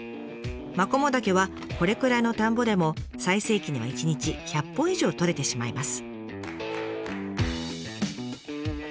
マコモダケはこれくらいの田んぼでも最盛期には一日１００本以上採れてしまいます。